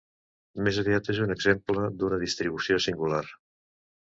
Més aviat és un exemple d'una distribució singular.